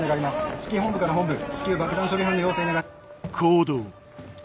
指揮本部から本部至急爆弾処理班の要請。